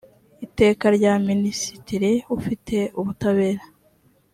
iteka rya minisitiri ufite ubutabera